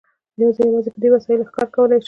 زه یوازې په دې وسایلو ښکار کولای شم.